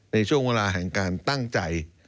ในช่วงเวลาแห่งการตั้งใจ